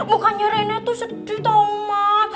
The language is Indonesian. bukannya rena tuh sedih tau mas